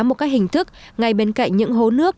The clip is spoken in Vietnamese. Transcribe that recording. một các hình thức ngay bên cạnh những hố nước